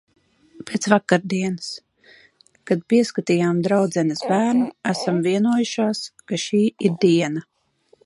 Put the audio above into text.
Pēc vakardienas. Kad pieskatījām draudzenes bērnu, esam vienojušās, ka šī ir diena.